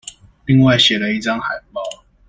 另外寫了一張海報